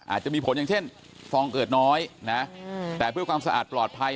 อาจจะมีผลอย่างเช่นฟองเอิดน้อยนะแต่เพื่อความสะอาดปลอดภัย